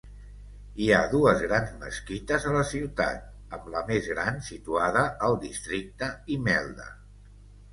Hi ha dues grans mesquites a la ciutat, amb la més gran situada al districte Imelda.